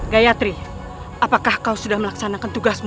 gayatri apakah kau sudah melaksanakan tugasmu